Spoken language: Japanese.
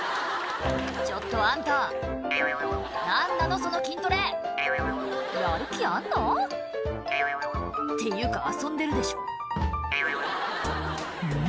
ちょっとあんた何なのその筋トレやる気あんの？っていうか遊んでるでしょうん？